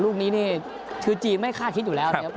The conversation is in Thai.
ลูกนี้นี่คือจีนไม่คาดคิดอยู่แล้วนะครับ